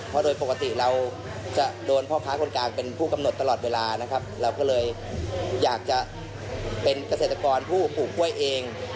เพราะโดยปกติเราจะโดนพ่อค้าคนกลางเป็นผู้กำหนดตลอดเวลานะครับเราก็เลยอยากจะเป็นเกษตรกรผู้ปลูกกล้วยเอง